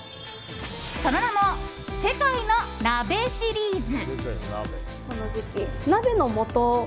その名も、世界の鍋シリーズ。